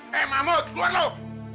hei mahmud buat lu